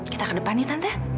kita ke depan ya tante